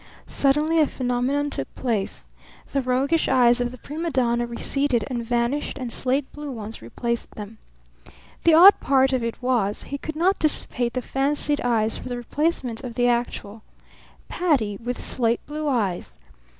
Suddenly a phenomenon took place. The roguish eyes of the prima donna receded and vanished and slate blue ones replaced them. The odd part of it was, he could not dissipate the fancied eyes for the replacement of the actual. Patti, with slate blue eyes!